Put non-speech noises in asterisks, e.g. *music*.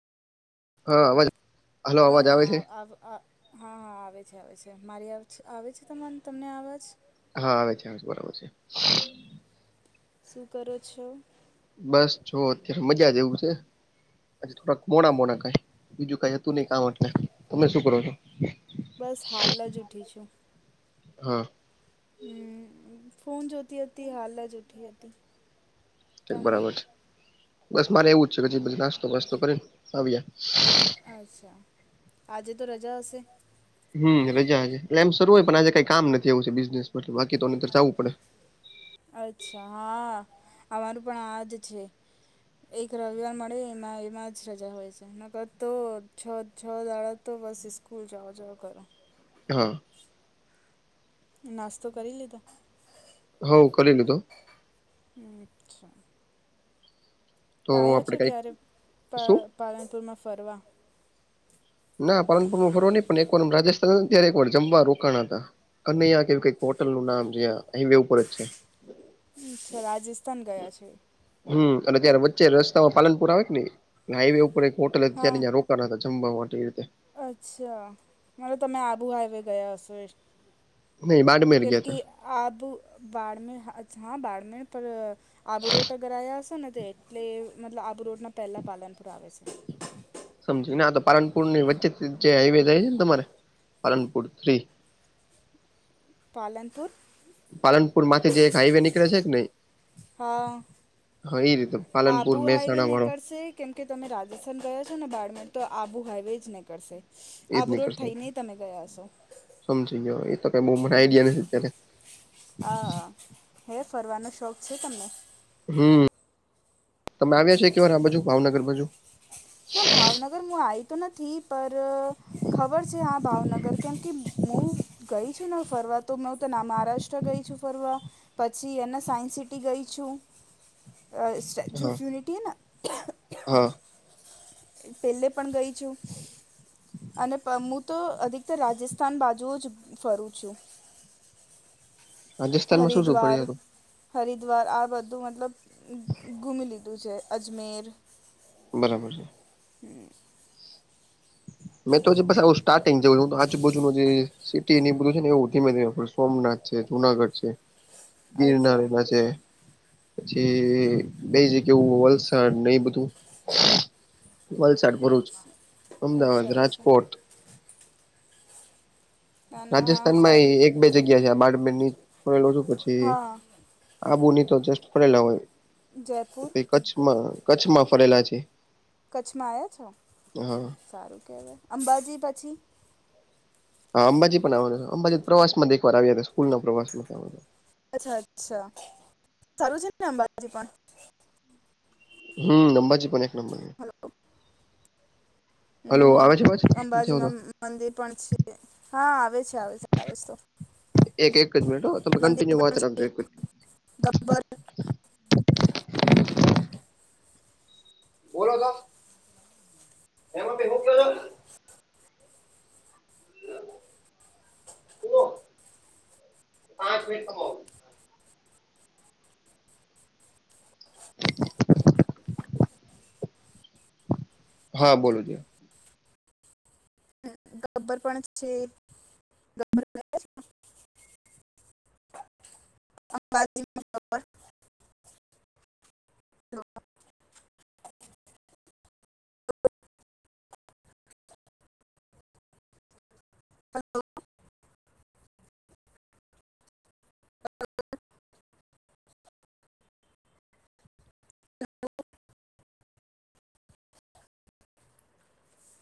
હા અવાજ હલો હા અવાજ હા આવે છે? આવ આ હા આવે છે આવે છે મારી આવે છે આવે છે તમન તમને અવાજ હા આવે છે આવે બરાબર છે. શું કરો છો? બસ જો અત્યારે મજા જેવું છે થોડાક મોડા મોડા કંઈ બીજું કાંઈ અ તુ નઈ કામ એટલે તમે શું કરો છો? બસ હાલ જ ઉઠી છું. હા. હં ફોન જોતી અતી હાલ જ ઉઠી અતી. તે બરાબર છે બસ મારે એવું જ છે કે જે બધ નાસ્તો વાસ્તો કરીન આવીએ આચ્છા આજે તો રજા હશે. હમ્મ રજા આજે એમ શરૂું હોય પણ આજે કઈ કામ નથી આવું છે બિઝનેસ પર બાકી તો નઇતર જાવું પડે. અચ્છા હા અમારું પણ આ જ છે. એક રવિવાર મળે એમાં એમાં જ રજા હોય છે નક તો છ છ દાળા તો બસ સ્કૂલ જાઓ જાઓ કરો. હા. નાસ્તો કરી લીધો. હ ઓ કરી લીધો. હ અચ્છા. તો આયો આપડે છે કઈક ક્યારે પા શું પાલનપુરમાં ફરવા ના પાલનપુરમાં ફરવા નઈ પણ એક વાર રાજસ્થાન ત્યારે એક વાર જમવા રોકાણા તા કનૈયા કે કઈક હોટલનું નામ જ્યાં *unintelligible* ઉપર જ છે. અચ્છા રાજસ્થાન ગયા છે હમ્મ અને ત્યારે વચ્ચે રસ્તા પાલનપુર આવે કી ની હાઈવે ઉપર એક *unintelligible* હોટલ હા તયારે રો રોકાનાતા તા જમવા માટે એ રીતે અચ્છા મારે તમે આબુ હાઈવે ગયા હશે નઈ બાડમેર કેમ ગયા કે હતા આબુ બાળમાં *unintelligible* હા બાળમાં પર આબુરોટ અગર આયા હશે ને તે એટલે મતલબ આબુરોટ ના પહેલા પાલનપુર આવે છે. સમજી ના તો પાલનપુર ની વચ્ચે જે હાઈવે જાય છે ને તમારે પાલનપુર થ્રી પાલનપુર પાલનપુર માંથી જે એક હાઈવે નીકળે છે કે નય હા રીતે *unintelligible* આબુ હાઈવે મહેસાણા વાળો નેકળશે કેમ કે તમે રાજસ્થાન ગયા છો ને બારમેર તો આબુ હાઈવે જ નીકળશે એજ આબુંરોટ નીકળશે થઈને તમે ગયા છો સમજી ગયો એ તો કઈ બઉ હ મને આઈડિયા નથી અત્યારે આ હે ફરવાનો શોખ છે તમને હમ્મ તમે આવ્યા છો એક વાર આ બાજુ ભાવનગર બાજુ ના ભાવનગર હું આય તો નથી પર ખબર છે હા ભાવનગર કેમ કે મુ ગઈ છું ને ફરવા તો મે હું ત ના મહારાષ્ટ્ર ગઈ છું ફરવા પછી એને સાયન્સ સિટી ગઈ છુંઅ સ્ટેચ્યુ હા ઓફ યુનિટી હે ના હા પેલે પણ ગઈ છું. અને પ હું તો અધિકતર રાજસ્થાન બાજુ જ ફરું છું. રાજસ્થાનમાં શું શું હરિદ્વાર ફર્યા તા હરિદ્વાર આ બધું મતલબ ઘૂમી લીધું છે અજમેર બરાબર હમ્મ મેં તો બસ *unintelligible* સ્ટાર તો *unintelligible* આજુબાજુ જે સીટી બધું છે એવ ધીમે સોમનાથ છે જુનાગઢ છે હ *inaudible* ગીરનાર *unintelligible* છે. પછી બેઈ *unintelligible* જગ્યા વલસાડ એ બધું વલસાડ ભરૂચ અચ્છ અમદાવાદ અચ્છા અચ્છા *inaudible* ના ના હા રાજસ્થાન માં સારું એક બે જગ્યા છે *unintelligible* પછી હા આબુંની તો જસ્ટ *unintelligible* પેલા હોય જયપુર પહી કચ્છમાં કચ્છમાં ફરેલા છે. કચ્છમાં આયા છો હા સારું કહેવાય અંબાજી પછી હા અંબાજી પણ આવેલો અંબાજી પ્રવાસમાંથી એક વાર આવ્યો તો સ્કૂલના પ્રવાસમાં અચ્છા અચ્છા સારું છે ને અંબાજી પણ હમ્મ અંબાજી પણ એક નંબર- *inaudible* હલો હમ્મ આવે છે અવાજ નથી આવતો અંબાજીમાં મંદિર પણ છે હા આવે છે આવે આવે છે. એક એક જ મિનિટ તમે મંદિર કન્ટિન્યુ પણ વાત રાખજો છે એક જ ગબ્બર બોલો તો એમાં *unintelligible* છો *inaudible* *inaudible* હા બોલો- ગબ્બર પણ છે *unintelligible* અંબાજી-